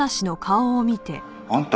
あんた。